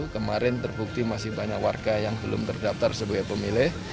kemarin terbukti masih banyak warga yang belum terdaftar sebagai pemilih